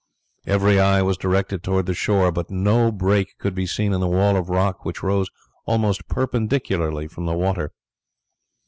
Every eye was directed towards the shore, but no break could be seen in the wall of rock which rose almost perpendicularly from the water.